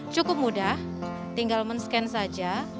cukup mudah tinggal men scan saja